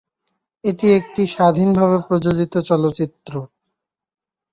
এটি একটি স্বাধীনভাবে প্রযোজিত চলচ্চিত্র।